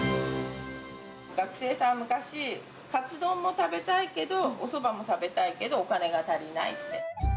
学生さんは昔、かつ丼も食べたいけど、おそばも食べたいけどお金が足りないって。